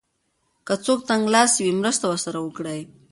که څوک تنګلاسی وي مرسته ورسره وکړئ.